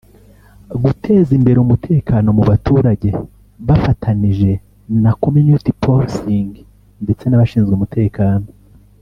guteza imbere umutekano mu baturage bafatanije na community policing ndetse n’abashinzwe umutekano